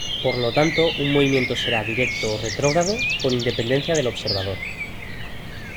Por lo tanto un movimiento será "directo" o "retrógrado" con independencia del observador.